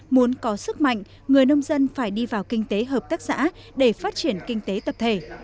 muốn có sức mạnh người nông dân phải đi vào kinh tế hợp tác xã để phát triển kinh tế tập thể